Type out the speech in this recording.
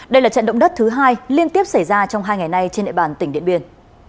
đây là trận động đất thứ hai liên tiếp xảy ra trong hai ngày nay trên địa bàn tỉnh điện biên